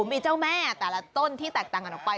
มีเจ้าแม่แต่ละต้นที่แตกต่างกันออกไป